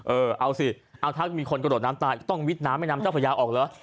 เออเอาสิเอาถ้ามีคนกระโดดน้ำตายก็ต้องวิดน้ำแม่น้ำเจ้าพระยาออกเหรอ